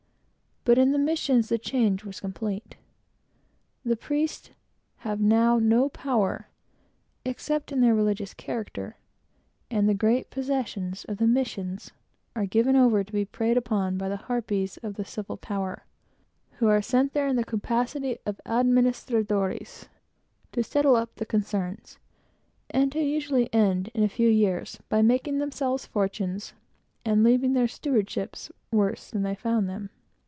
But in the missions, the change was complete. The priests have now no power, except in their religious character, and the great possessions of the missions are given over to be preyed upon by the harpies of the civil power, who are sent there in the capacity of administradores, to settle up the concerns; and who usually end, in a few years, by making themselves fortunes, and leaving their stewardships worse than they found them.